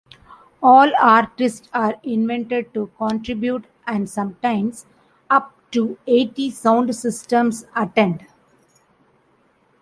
All artists are invited to contribute and sometimes up to eighty sound systems attend.